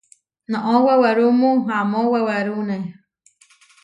Noʼó wewerúmu amó wewerúne.